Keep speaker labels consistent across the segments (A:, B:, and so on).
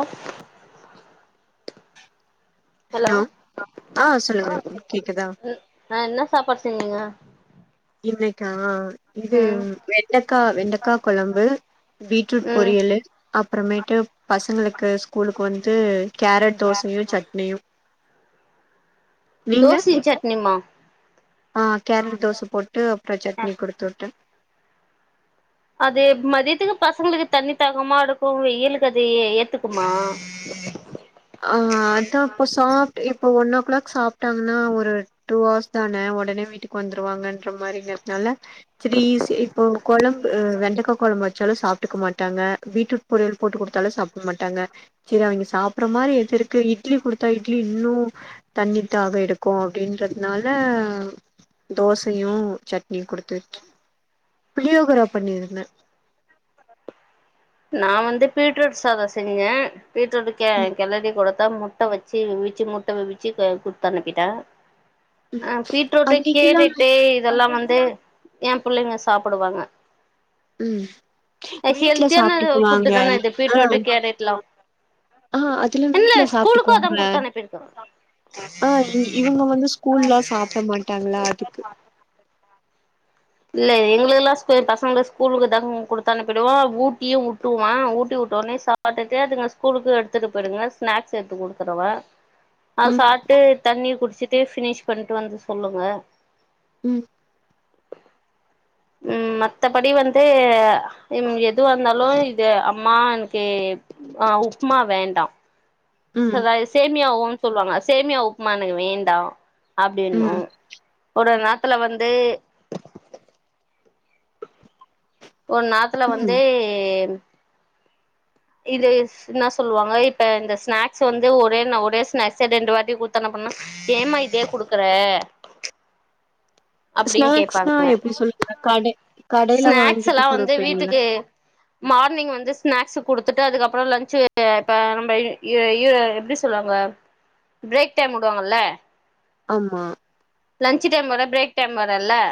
A: ஆ
B: hello ஆ சொல்லுங்க கேக்குதா
A: ம் ஆ என்ன சாப்பாடு செஞ்சீங்க
B: இன்னைக்கா இது
A: ம்
B: வெண்டக்கா வெண்டக்கா கொழம்பு பீட்ரூட்
A: ம்
B: பொரியலு அப்புறமேட்டு பசங்களுக்கு ஸ்கூலு க்கு வந்து கேரட் தோசையு சட்னியு
A: தோசயு சட்னியுமா
B: அ கேரட் தோச போட்டு அப்பறோ சட்னி குடுத்துவுட்டே
A: அது மதியத்துக்கு பசங்களுக்கு தண்ணி தாகமா எடுக்கு வெயிலுக்கு அது ஏ ஏ ஏத்துக்குமா
B: அ அதா இப்ப சாப்ட்டு இப்ப ஒன் ஓ கிளாக் சாப்ட்டாங்கன்னா ஒரு டூ ஹார்ஸ் தான ஒடனே வீட்டுக்கு வந்துருவாங்கன் ன்ற மாரிங்கறதுனால த்ரீ சி இப்போ கொழம்பு அ வெண்டக்கா கொழம்பு வெச்சாலு சாப் ட்டுக்க மாட்டாங்க பீட்ரூட் பொரியல் போட்டுக் குடுத்தாலு சாப்ட மாட்டாங்க சேரி அவங்க சாப் ற மாரி எது இருக்கு இட்லி குடுத்தா இட்லி இன்னு தண்ணித் தாகோ எடுக்கோ அப்டின்றத்னால தோசயு சட்னியு குடுத்துட் புளியோகரா பண்ணிருந்தே
A: நா வந்து பீட்ரூட் சாதோ செஞ்சே பீட்ரூட்டு கெ
B: ம்
A: கெலரி குடுத்த மு ட்ட வெச்சி அவிச்ச முட்ட வெச்சி அ குடுத்தனுப்பிட்ட
B: ம்
A: அ பீட்ரூட்டு
B: அன்னைக்கெல்லா
A: கேரட்டு இதெல்லா வந்து எ புள்ளைங்க சாப்டுவாங்க
B: உ
A: ஆ ஹெல்த்தியான ஃபுட் தான இது
B: ஆ
A: பீட்ரூட்டு கேரட்லா
B: ஆ அதுல
A: என்னல
B: வீட்ல
A: ஸ்கூலுக்கோ அதா
B: சாப்ட்டுக்குவாங்க.
A: குடுத்தனுப்பிருக்க [inaudible]
B: ஆ இங் இவங்க வந்து ஸ்கூல்லா சாப்ட மாட்டாங்களா அதுக்கு.
A: இல்ல எங்களுக்குல்லா [unintelligible] பசங்கள ஸ்கூலுக்கு தா குடுத்தனுப்பிடுவோ ஊட்டியு உட்டுவா ஊட்டிவுட்ட ஒன்னே சா பாட்டுட்டு அதுங்க ஸ்கூலுக்கு எடுத்துட்டு போயிடுங்க ஸ்நாக்ஸ் எத்து குடுத்துருவ அது
B: ம்
A: சாப்ட்டு தண்ணி குடிச்சிட்டு ஃபினிஷ் பண்ட்டு வந்து சொல்லுங்க
B: உ
A: உ மத்தபடி வந்து உ எதுவாந்தாலு இது அம்மா என்க்கி அ உப்மா வேண்டா
B: ம்
A: சதா சேமியாவு சொல்லுவாங்க சேமியா உப்மா எனக்கு வேண்டா அப்டின்னோ
B: ம்
A: ஒரு நாத்துல வந்து ஒரு நாத்துல
B: ம்
A: வந்தே இதுஸ் இன்னா சொல்லுவாங்க இப்ப இந்த ஸ்நாக்ஸ் வந்து ஒரே ந ஒரே ஸ்நாக்ஸ்ஸே ரெண்டு வாட்டி குத்தனப்பண்ணா ஏ மா இதே குடுக்கற அப்டின்னு
B: ஸ்நாக்ஸ்னா
A: கேப்பாங்க
B: எப்டி சொல்லுங்க கடை கடைல
A: ஸ்நாக்ஸ்
B: வாங்கிட்டு
A: எல்லா வந்து
B: குடுப்பீங்கல்ல
A: வீட்டுக்கே மார்னிங் வந்து ஸ்நாக்ஸ்ஸு குடுத்துட்டு அதுக்கப்றோ லஞ்சு இப்ப நம்ம எ எ எப்டி சொல்லுவாங்க பிரேக் டைம் உடுவாங்கல்ல
B: ஆமா
A: லஞ்ச் டைம் வர பிரேக் டைம் வரல்ல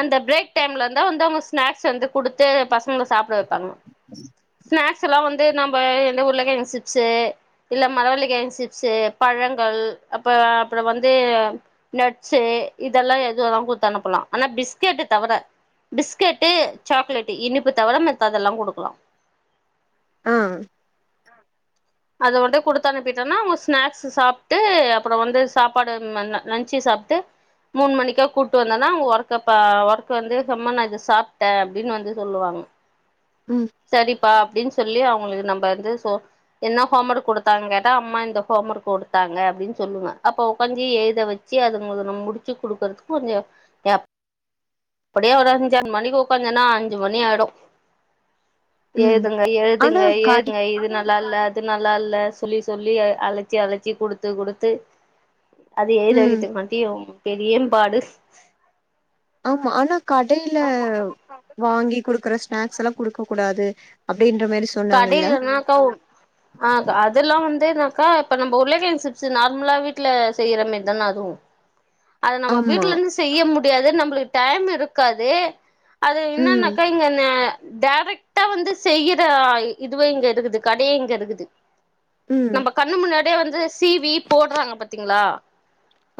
A: அந்த பிரேக் டைம்லந்தா வந்து அவுங்க ஸ்நாக்ஸ் வந்து குடுத்து பசங்கள சாப்ட வப்பாங்க ஸ்நாக்ஸ்ஸல்லா வந்து நம்ப எந்த உருளக்கெழங்கு சிப்ஸு இல்ல மரவள்ளிக்கெழங்கு சிப்ஸு பழங்கள் அப்ற அப்றோ வந்து நட்ஸு இதெல்லா எதுவனா குத்து அனுப்பலா ஆனா பிஸ்கெட்டுத் தவர பிஸ்கெட்டு சாக்லட்டு் இனிப்பு தவர மத்ததெல்லா குடுக்கலா
B: ஆ
A: அத மட்டோ குடுத்தனுப்பிட்டோன்னா அவுங்க ஸ்னாக்ஸ்ஸு சாப்ட்டு அப்பறோ வந்து சாப்பாடு லஞ்சி சாப்ட்டு மூணு மணிக்கா கூட்டு வந்தன்னா அவங்க ஒர்க்கப்ப ஒர்க்க வந்து சம்மா நா இத சாப்ட்டே அப்டின்னு வந்து சொல்லுவாங்க
B: உ
A: சரிப்பா அப்டின்னு சொல்லி அவுங்களுக்கு நம்ம வந்து சோ என்ன ஹோம் ஒர்க் குடுத்தாங்க கேட்டா அம்மா இந்த ஹோம் ஒர்க் குடுத்தாங்க அப்டின்னு சொல்லுவ அப்போ உக்காஞ்சி எழுத வ ச்சு அது நம்ம முடிச்சு கொடுக்கறதுக்கு கொஞ்ச கேப் அப்டியே ஒரு அஞ்சாறு மணிக்கு ஒக்காந்தன்னா அஞ்சு மணி ஆயிடு
B: ம்
A: எழுதுங்க
B: ஆனா
A: எழுதுங்க
B: கடை
A: எழுதுங்க இது நல்லால்ல இது நல்லால்ல சொல்லி சொல்லி அழச்சி அழச்சி குடுத்து குடுத்து அது எழுத
B: ம்
A: வைக்கிறதுக்கு காட்டியு பெரியன் பாடு
B: ஆமா ஆனா கடையில வாங்கி குடுக்கற ஸ்நாக்ஸ்ல்லா குடுக்க கூடாது அப்டின்ற மாரிஸ்
A: கடையிலன்னாக்கவு ஆ அத் அதெல்லா வந்து என்னாக்கா இப்ப நம்ப உருளகெழங்கு சிப்ஸ்ஸு நார்மலா வீட்ல செய்யற மாரி தான அதுவு அது நம்ம
B: ஆமா
A: வீட்லருந்து செய்ய முடியாது நம்மளுக்கு டைம் இருக்காது அது
B: ம்
A: என்னன்னாக்கா இங்கன டைரக்ட்டா வந்து செய்ர் து இதுவே இங்க இருக்குது கடயே இங்க இருக்குது
B: ம்
A: நம்ப கண் ண்ணு முன்னாடியே வந்து சீவி போடுறாங்க பாத்தீங்களா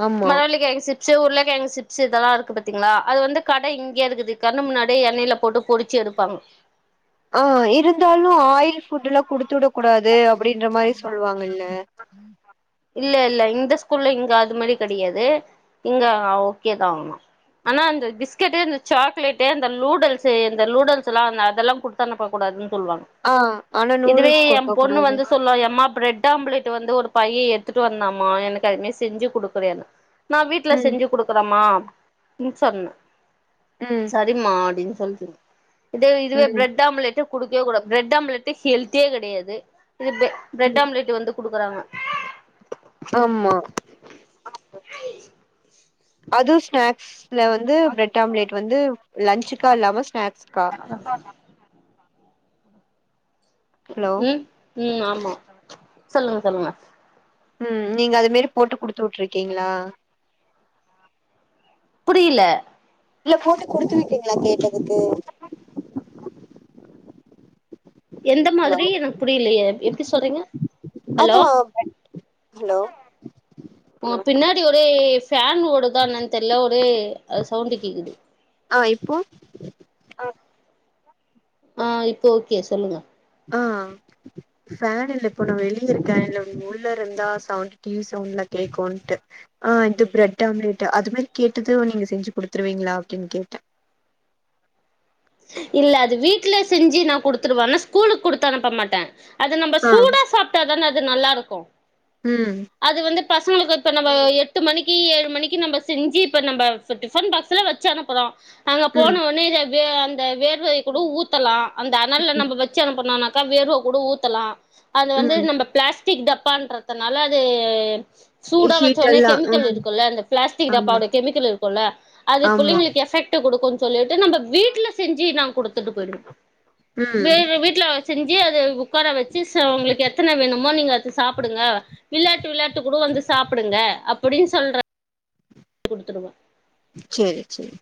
B: ஆமா
A: மரவள்ளி கெழங்கு சிப் சே உருளகெழங்கு சிப்ஸ் இதெல்லா இருக்கு பாத்தீங்களா அது வந்து கட இங்க இருக்குது கண்ணு முன்னாடியே எண்ணெயில போட்டு பொறிச்சி எடுப்பாங்க
B: ஆ இருந்தாலு ஆயில் ஃபுட்டுல்லா குடுத்து விட கூடாது அப்டின்ற மாரி சொல்லுவாங்கல்ல
A: இல்லல்ல இந்த ஸ்கூல்ல இங்க அது மாரி கெடையாது இங்க ஆ ஓகேதா அதெல்லா ஆனா இந்த பிஸ்கெட்டு இந்த சாக்லேட்டு அந்த லூடல்ஸ்ஸே இந்த லூடல்ஸ்ஸுல்லா அந்த அதெல்லா குடுத் தனுப்ப கூடாதுன்னு சொல்லுவாங்க
B: ஆ ஆனா
A: இதுவே
B: நூடுல்ஸ்
A: என்
B: குடுக்க
A: பொண்ணு
B: கூடாது
A: வந்து சொல்லுவா எம்மாப் பிரெட் ஆம்லேட் வந்து ஒரு பையன் எடுத்துட்டு வந்தாமா எனக்கு அதுமே செஞ்சு குடுக்குறியான்னா நா வீட்டுல
B: ம்
A: செஞ்சு குடுக்குறேமா ம் சொன்னே
B: ம்
A: சரிமா அப்டின்னு [unintelligible] இது இதுவே
B: ம்
A: பிரெட் ஆம்லேட்டு குடுக்கவே கூடாது பிரெட் ஆம்லெட்டு ஹெல்தியே கெடையாது இது பெ பிரெட்
B: ம்
A: ஆம்லெட்டு வந்து குடுக்குறாங்க
B: ஆமா அது ஸ்நாக்ஸ்ல வந்து பிரட் ஆம்லேட் வந்து லன்ச்சுக்கா இல்லாம ஸ்நாக்ஸ்க்கா
A: [inaudible]
B: ஹலோ
A: ம் ம் ஆமா சொல்லுங்க சொல்லுங்க
B: ம் நீங்க அது மாரி போட்டு குடுத்துட்ருக்கீங்களா
A: புரியில
B: இல்ல போட்டு குடுத்து விட்டிங்களா கேட்டதுக்கு
A: எந்த
B: ஹலோ
A: மாதிரி எனக்கு புரிலையே எப்டி சொல்றீங்க ஹலோ
B: அதா ஹலோ
A: ஒ பின்னாடி ஒரே ஃபேன் ஓடுதா என்னான்னு தெர்ல ஒரே அது சவுண்டு கேக்குது
B: ஆ இப்போ
A: அ ஆ இப்ப ஓகே சொல்லுங்க
B: ஆ ஃபேன் இல்ல இப்ப நா வெளிய இருக்கே இல்ல உள்ள இருந்தா சவுண்ட் டி வி சவுண்ட்லா கேக்குன்ட்டு ஆ இந்த பிரெட் ஆம்லெட்டு அது மாரி கேட்டது நீங்க செஞ்சு கொடுத்துருவீங்களா அப்டின்னு கேட்டே
A: இல்ல அது வீட்ல செஞ்சு நா குடுத்துருவே ஆனா ஸ்கூலுக்கு குடுத்தனுப்ப மாட்டே அது நம்ப
B: ஆ
A: சூடா சாப்ட்டாதானே அது நல்லாருக்கு
B: ம்
A: அது வந்து பசங்களுக்கு இப்ப நம்ப எட்டு மணிக்கு ஏழு மணிக்கு நம்ப செஞ்சி இப்ப நம்ப இப்ப டிஃபன் பாக்ஸ்ஸுல வச்சு அனுப்புறோ அங்க
B: ம்
A: போனோனே இத வே அந்த வேர்வ கூட ஊத்தலா அந்த அனல்ல நம்ம வச் ச்சு அனுப்புனானாக்க வேர்வ கூட ஊத்தலா அதுல வந்து
B: ம்
A: நம்ப பிளாஸ் டிக் டப்பான்றதுனால அது சூடா வச்ச
B: ஹீட்
A: உடனே
B: எல்லா
A: கெமிக்கல்
B: ம்
A: இருக்குல்ல அந்த பிளாஸ்டிக்
B: ஆமா
A: டப்பாவோட கெமிக்கல் இருக்குல்ல அது
B: ஆமா
A: புள்ளிங்களுக்கு எஃபெக்ட் ட்டு குடுக்குன்னு சொல்ட்டு நம்ம வீட்ல செஞ்சு நா குடுத்துட்டு போயிடுவ
B: ம்
A: வேற வீட்ல செஞ்சு அது உக்கார வெச்சு உங்களுக்கு எத்தன வேணு மோ நீங்க அத சாப்டுங்க விளாட்டு விளாட்டு கூட வந்து சாப்டுங்க அப்டின் சொல்ற குடுத்துருவோ
B: சேரி சேரி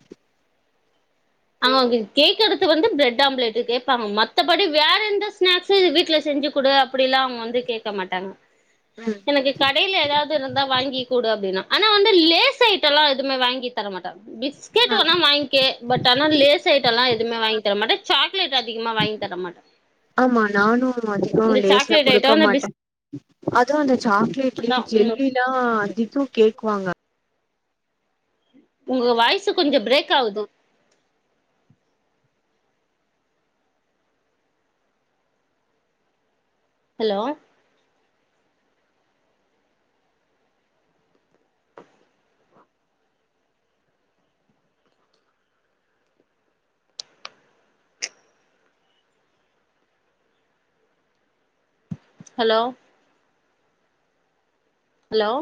A: அவுங்க கேக் எடுத்து வந்து பிரெட் ஆம்லேட் கேப்பாங்க மத்தபடி வேற எந்த ஸ்நாக்ஸு வீட்ல செஞ்சு குடு அப்டியெல்லா அவுங்க வந்து கேக்க மாட்டாங்க
B: ம்
A: எனக்கு கடைல எதாவது இருந்தா வாங்கி குடு அப்டின்னா ஆனா வந்து லேஸ் அயி டெல்லா எதுவமே வாங்கி தர மாட்ட பிஸ்
B: ஆ
A: வாங்கிக பட் ஆனா லேஸ் அய்ட்டெல்லா எதுமே வாங்கி தர மாட்ட சாக்லேட் அதிகமா வாங்கி தர மாட்ட
B: ஆமா நானு அதிகோ
A: இந்த
B: லேஸ்ல்லா
A: சாக்லேட் ஐட்டோ
B: குடுக்க
A: இந்த
B: மாட்ட அதா அந்த
A: பிஸ்கட்
B: சாக்லேட்லியே
A: தா ம்
B: ஜெல்லில்லா அதிகோ கேக்குவாங்க
A: உங்க வாய்ஸு கொஞ்சோ பிரேக் ஆது ஹலோ ஹலோ ஹலோ